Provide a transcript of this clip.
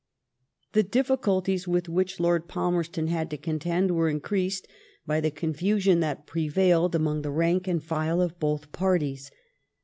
The diflBculties with which Lord Palmerston had to contend were increased by the confusion that prevailed among the rank and file of both parties.